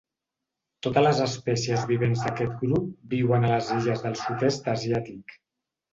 Totes les espècies vivents d'aquest grup viuen a les illes del sud-est asiàtic.